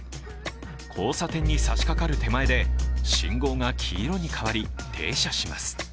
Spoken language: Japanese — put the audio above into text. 交差点に差しかかる手前で信号が黄色に変わり停車します。